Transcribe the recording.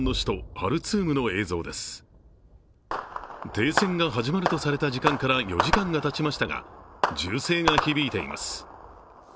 停戦が始まるとされた時間から４時間がたちましたが、銃声が響いています。